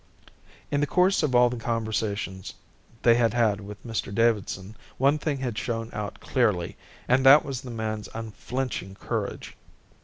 In the course of all the conversations they had had with Mr Davidson one thing had shone out clearly and that was the man's unflinching courage.